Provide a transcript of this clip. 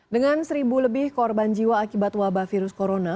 dengan seribu lebih korban jiwa akibat wabah virus corona